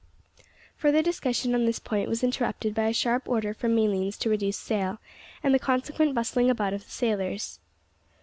Further discussion on this point was interrupted by a sharp order from Malines to reduce sail, and the consequent bustling about of the sailors.